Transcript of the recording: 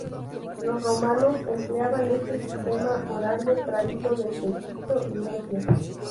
Los romanos empleaban este sistema horario traído desde Egipto y Grecia.